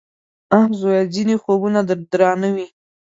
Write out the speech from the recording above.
_اه ! زويه! ځينې خوبونه درانه وي.